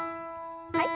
はい。